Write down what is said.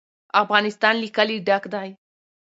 افغانستان له کلي ډک دی.